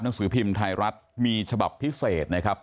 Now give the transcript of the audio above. หนังสือพิมพ์ไทยรัฐมีฉบับพิเศษนะครับ